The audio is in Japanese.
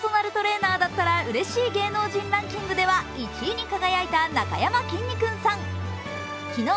パーソナルトレーナーだったらうれしい芸能人ランキングでは１位に輝いた、なかやまきんに君さん。